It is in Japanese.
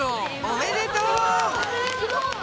おめでとう！